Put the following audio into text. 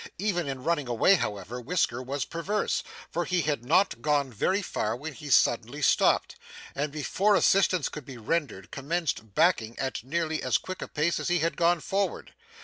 Even in running away, however, Whisker was perverse, for he had not gone very far when he suddenly stopped, and before assistance could be rendered, commenced backing at nearly as quick a pace as he had gone forward.